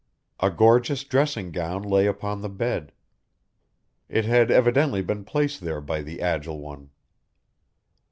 A gorgeous dressing gown lay upon the bed. It had evidently been placed there by the agile one.